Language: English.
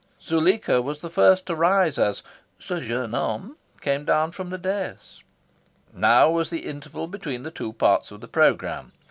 Zuleika was the first to rise as "ce jeune homme" came down from the dais. Now was the interval between the two parts of the programme.